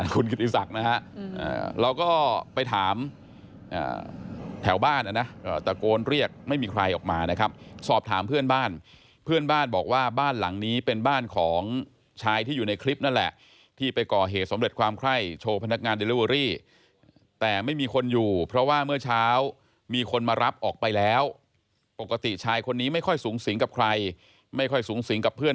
คุณกิติศักดิ์นะฮะเราก็ไปถามแถวบ้านนะนะตะโกนเรียกไม่มีใครออกมานะครับสอบถามเพื่อนบ้านเพื่อนบ้านบอกว่าบ้านหลังนี้เป็นบ้านของชายที่อยู่ในคลิปนั่นแหละที่ไปก่อเหตุสำเร็จความไข้โชว์พนักงานเดลิเวอรี่แต่ไม่มีคนอยู่เพราะว่าเมื่อเช้ามีคนมารับออกไปแล้วปกติชายคนนี้ไม่ค่อยสูงสิงกับใครไม่ค่อยสูงสิงกับเพื่อน